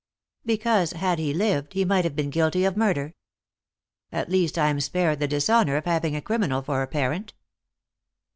"Because, had he lived, he might have been guilty of murder. At least, I am spared the dishonour of having a criminal for a parent."